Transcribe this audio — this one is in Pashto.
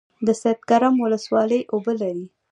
د سید کرم ولسوالۍ اوبه لري